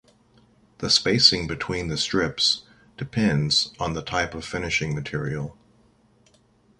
The spacing between the strips depends on the type of finishing material.